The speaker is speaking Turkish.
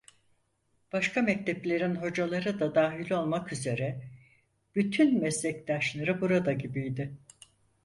Başka mekteplerin hocaları da dahil olmak üzere, bütün meslektaşları burada gibiydi.